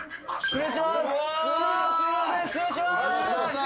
失礼しまーす！